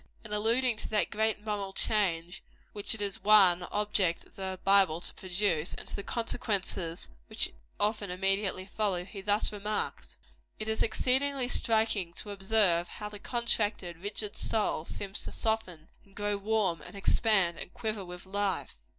In alluding to that great moral change which it is one object of the Bible to produce, and to the consequences which often immediately follow, he thus remarks: "It is exceedingly striking to observe how the contracted, rigid soul seems to soften, and grow warm, and expand, and quiver with life.